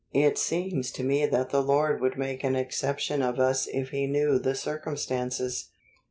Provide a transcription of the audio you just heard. It seems to me that the Lord would make an exception of us if He knew the circumstances.